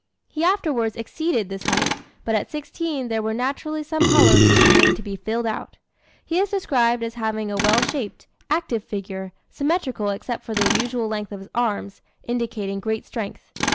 He afterwards exceeded this height, but at sixteen there were naturally some hollows which remained to be filled out. He is described as having a well shaped, active figure, symmetrical except for the unusual length of his arms, indicating great strength.